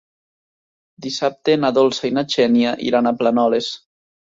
Dissabte na Dolça i na Xènia iran a Planoles.